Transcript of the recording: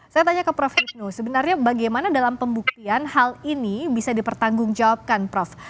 saya tanya ke prof hipnu sebenarnya bagaimana dalam pembuktian hal ini bisa dipertanggungjawabkan prof